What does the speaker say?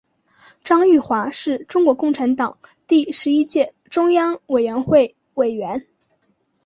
张玉华是中国共产党第十一届中央委员会委员。